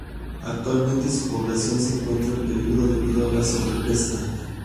Actualmente su población se encuentra en peligro debido a la sobrepesca.